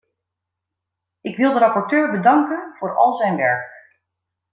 Ik wil de rapporteur bedanken voor al zijn werk.